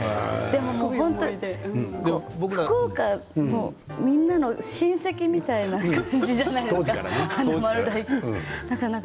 もう福岡のみんなの親戚みたいな感じじゃないですか華丸・大吉さん。